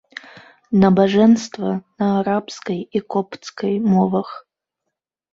Набажэнства на арабскай і копцкай мовах.